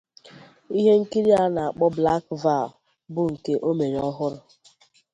Ihe nkiri a na-akpọ "Black Val" bụ nke o mere ọhụrụ.